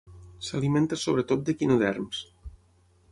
S'alimenta sobretot d'equinoderms.